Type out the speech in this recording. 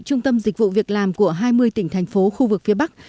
trung tâm dịch vụ việc làm của hai mươi tỉnh thành phố khu vực phía bắc